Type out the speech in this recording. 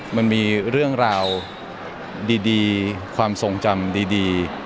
มันมีเรื่องราวดีความทรงจำดี